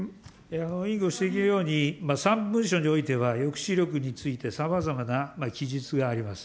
委員ご指摘のように、３文書においては、抑止力についてさまざまな記述があります。